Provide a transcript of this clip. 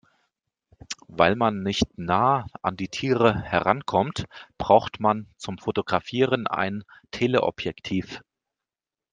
Weil man nicht nah an die Tiere herankommt, braucht man zum Fotografieren ein Teleobjektiv.